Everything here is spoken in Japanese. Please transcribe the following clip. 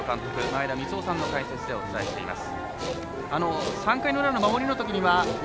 前田三夫さんの監督でお伝えしています。